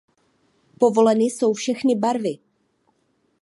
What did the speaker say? Povoleny jsou všechny barvy.